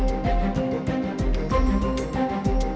dimana kita bisa melamar makanan yang baik